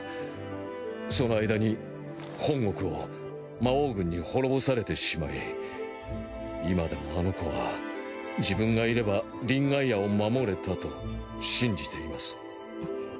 その間に本国を魔王軍に滅ぼされてしまい今でもあの子は自分がいればリンガイアを守れたと信じています。